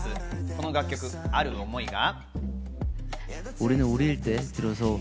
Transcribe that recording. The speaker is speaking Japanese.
この曲、ある思いが。